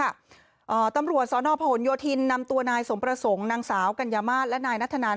อ่าตำรวจสอนอพหนโยธินนำตัวนายสมประสงค์นางสาวกัญญามาศและนายนัทธนัน